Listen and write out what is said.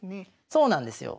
そうなんですよ。